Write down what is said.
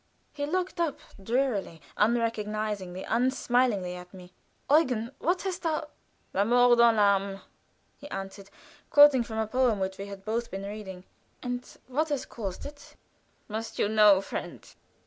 He looked up drearily, unrecognizingly, unsmilingly at me. "Eugen, what hast thou?" "La mort dans l'âme," he answered, quoting from a poem which we had both been reading. "And what has caused it?" "Must you know, friend?"